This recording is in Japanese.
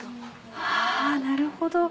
あなるほど！